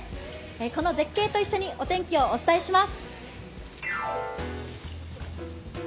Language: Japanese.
この絶景と一緒に、お天気をお伝えします。